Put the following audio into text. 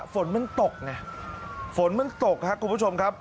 ฝนมันตกเนี่ยฝนมันตกค่ะคุณผู้ชมครับ